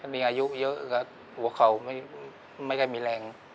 อันนี้อายุเยอะก็หัวเข่าไม่ได้มีแรง